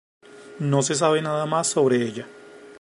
No se sabe nada más sobre ella.